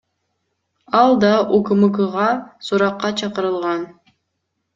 Ал да УКМКга суракка чакырылган.